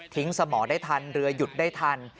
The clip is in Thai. ทิ้งสมอได้ทันเหลือหยุดได้ทัน